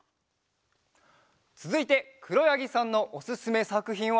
つづいてくろやぎさんのおすすめさくひんは。